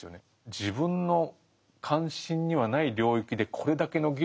「自分の関心にはない領域でこれだけの議論ができてる。